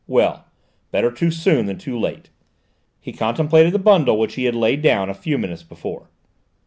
Well, better too soon than too late!" He contemplated the bundle which he had laid down a few minutes before.